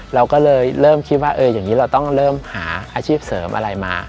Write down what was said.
เราก็เลยเริ่มคิดว่าอย่างนี้เราต้องเริ่มหาอาชีพเสริมอะไรมา